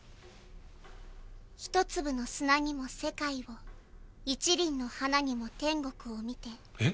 「一粒の砂にも世界を一輪の花にも天国を見て」えっ！？